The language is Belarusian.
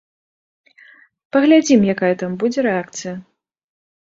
Паглядзім, якая там будзе рэакцыя.